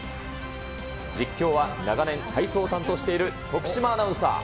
実況は長年、体操を担当している徳島アナウンサー。